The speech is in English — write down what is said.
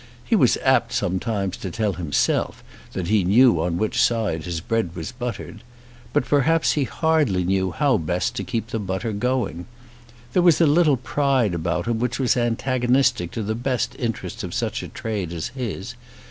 He was apt sometimes to tell himself that he knew on which side his bread was buttered. But perhaps he hardly knew how best to keep the butter going. There was a little pride about him which was antagonistic to the best interests of such a trade as his.